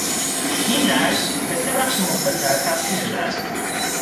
این درس به سه بخش مختصر تقسیم شده است.